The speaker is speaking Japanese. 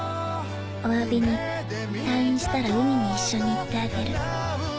おわびに退院したら海に一緒に行ってあげる。